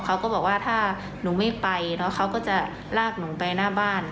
เขาก็บอกว่าถ้าหนูไม่ไปเนอะเขาก็จะลากหนูไปหน้าบ้าน